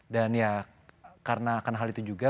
dan ya karena hal itu juga